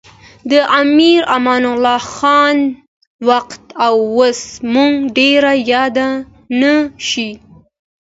د امیر امان الله خان وخت و اوس مو ډېر یاد نه شي.